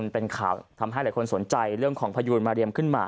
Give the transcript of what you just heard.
เป็นข่าวทำให้หลายคนสนใจเรื่องของพยูนมาเรียมขึ้นมา